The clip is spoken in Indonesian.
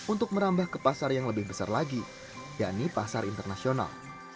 untuk merambah ke pasar yang lebih besar lagi yakni pasar internasional